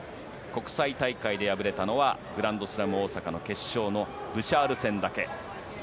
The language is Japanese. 国際大会で敗れたのはグランドスラム大坂の決勝のブシャール戦だけ。